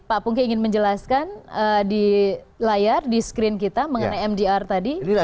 pak pungki ingin menjelaskan di layar di screen kita mengenai mdr tadi